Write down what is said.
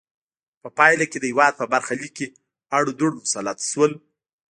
په پایله کې د هېواد په برخه لیک کې اړ او دوړ مسلط شول.